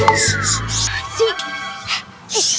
aku di luar jangan kembang